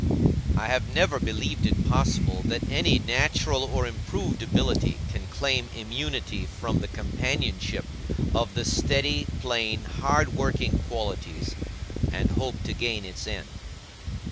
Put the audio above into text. I have never believed it possible that any natural or improved ability can claim immunity from the companionship of the steady, plain, hard working qualities, and hope to gain its end.